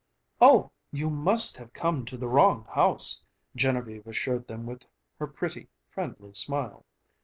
"Oh, you must have come to the wrong house," Genevieve assured them with her pretty, friendly smile.